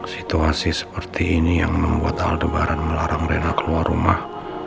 situasi seperti ini yang membuat aldebaran melarang reyna keluar rumah